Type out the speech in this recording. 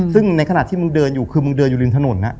ซึ่งในขณะที่มึงเดินอยู่คือมึงเดินอยู่ริมถนน